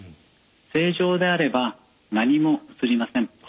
正常であれば何も映りません。